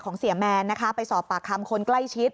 เสียแมนนะคะไปสอบปากคำคนใกล้ชิด